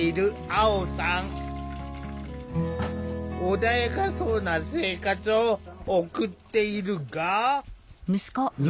穏やかそうな生活を送っているが。